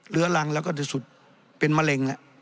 เรื้อรังแล้วก็จะสุดเป็นมะเร็ง